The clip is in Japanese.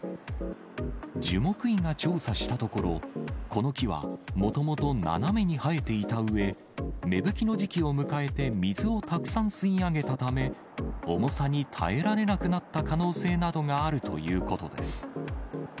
樹木医が調査したところ、この木はもともと斜めに生えていたうえ、芽吹きの時期を迎えて水をたくさん吸い上げたため、重さに耐えられなくなった可能性などがあるということです。